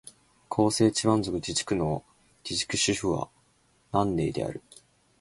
広西チワン族自治区の自治区首府は南寧である